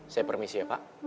saya permisi ya pak